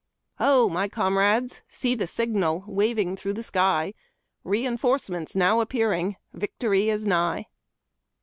" Ho! my comrades, see the signal Waving tlirougli the sky; Re euforcements now appearing, Victory is nigh."